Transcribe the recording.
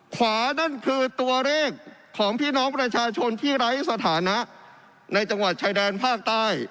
นั่นคือตัวเลขของพี่น้องประชาชนที่ไร้สถานะในจังหวัดชายแดนภาคใต้